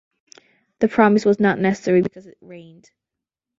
The promise was not necessary because it rained.